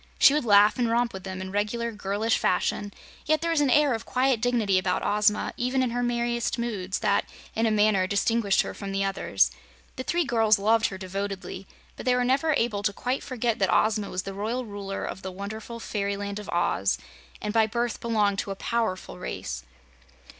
She would laugh and romp with them in regular girlish fashion, yet there was an air of quiet dignity about Ozma, even in her merriest moods, that, in a manner, distinguished her from the others. The three girls loved her devotedly, but they were never able to quite forget that Ozma was the Royal Ruler of the wonderful Fairyland of Oz, and by birth belonged to a powerful race.